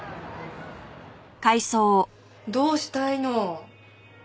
どうしたいの？